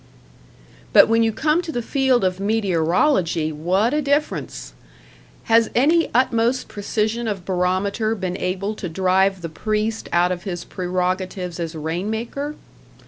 But when you come to the field of meteorology, what a difference! Has any utmost precision of barometer been able to drive the priest out of his prerogatives as rainmaker?